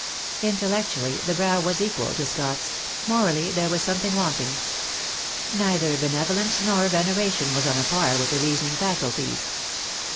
Intellectually the brow was equal to Scott's; morally there was something wanting. Neither benevolence nor veneration was on a par with the reasoning faculties.